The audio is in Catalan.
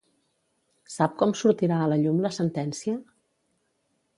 Sap com sortirà a la llum la sentència?